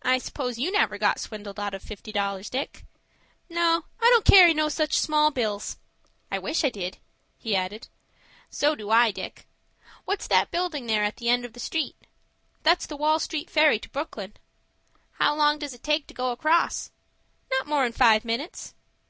"I suppose you never got swindled out of fifty dollars, Dick?" "No, I don't carry no such small bills. I wish I did," he added. "So do I, Dick. What's that building there at the end of the street?" "That's the Wall Street Ferry to Brooklyn." "How long does it take to go across?" "Not more'n five minutes."